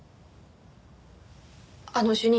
あの主任。